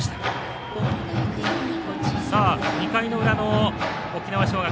２回の裏の沖縄尚学。